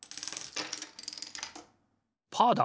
パーだ！